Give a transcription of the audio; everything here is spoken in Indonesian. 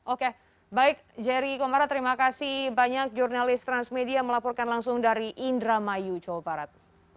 oke baik jerry komara terima kasih banyak jurnalis transmedia melaporkan langsung dari indramayu jawa barat